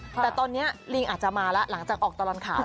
แต่ตอนนี้ลิงอาจจะมาแล้วหลังจากออกตลอดข่าว